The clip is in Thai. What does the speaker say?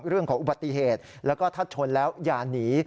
เรื่องของอุบัติเหตุแล้วก็ถ้าชนแล้วอย่าหนี